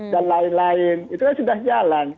dan lain lain itu sudah jalan